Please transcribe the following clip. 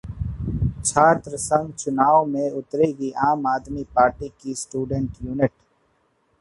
छात्र संघ चुनाव में उतरेगी आम आदमी पार्टी की स्टूडेंट यूनिट